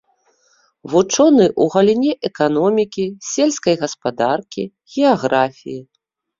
Вучоны ў галіне эканомікі, сельскай гаспадаркі, геаграфіі.